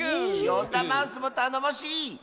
ヨンダマウスもたのもしい！